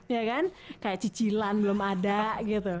ya kan kayak cicilan belum ada gitu